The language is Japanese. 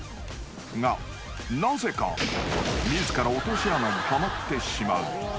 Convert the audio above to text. ［がなぜか自ら落とし穴にはまってしまう］